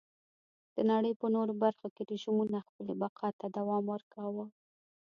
د نړۍ په نورو برخو کې رژیمونو خپلې بقا ته دوام ورکاوه.